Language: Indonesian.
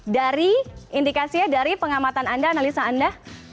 dari indikasinya dari pengamatan anda analisa anda